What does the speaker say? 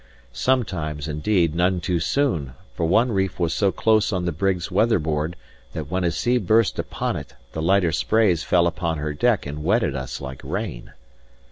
Sometimes, indeed, none too soon; for one reef was so close on the brig's weather board that when a sea burst upon it the lighter sprays fell upon her deck and wetted us like rain.